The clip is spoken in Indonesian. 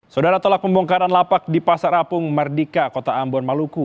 saudara tolak pembongkaran lapak di pasar apung mardika kota ambon maluku